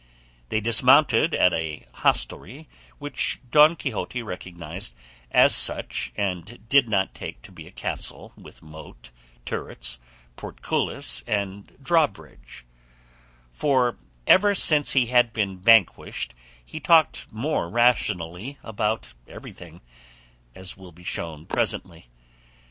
They dismounted at a hostelry which Don Quixote recognised as such and did not take to be a castle with moat, turrets, portcullis, and drawbridge; for ever since he had been vanquished he talked more rationally about everything, as will be shown presently.